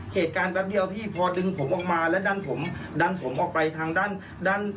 แป๊บเดียวพี่พอดึงผมออกมาแล้วดันผมดันผมออกไปทางด้านด้าน